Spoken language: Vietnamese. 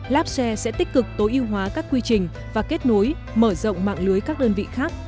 labshare sẽ tích cực tối ưu hóa các quy trình và kết nối mở rộng mạng lưới các đơn vị khác